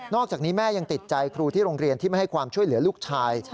อกจากนี้แม่ยังติดใจครูที่โรงเรียนที่ไม่ให้ความช่วยเหลือลูกชาย